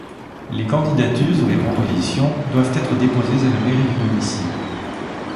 Les candidatures ou les propositions doivent être déposées à la mairie du domicile.